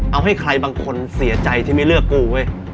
เอาให้ใครบางคนเสียใจที่ไม่เลือกกูเว้ย